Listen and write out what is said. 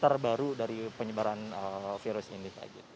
terbaru dari penyebaran virus ini